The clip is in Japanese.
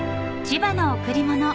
［『千葉の贈り物』］